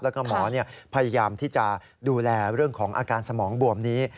แล้วก็หมอพยายามที่จะดูแลเรื่องของอาการสมองบวมนี้